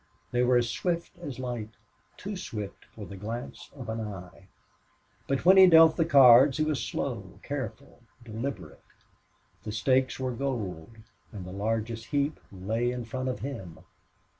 They were as swift as light, too swift for the glance of an eye. But when he dealt the cards he was slow, careful, deliberate. The stakes were gold, and the largest heap lay in front of him.